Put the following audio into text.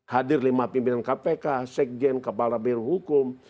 hadir lima pimpinan kpk sekjen kepala birohukum